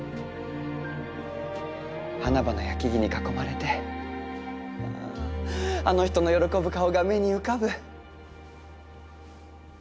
花々や木々に囲まれてあぁあの人の喜ぶ顔が目に浮かぶ。